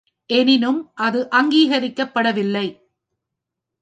எனினும் அது அங்கீகரிக்கப்படவில்லை.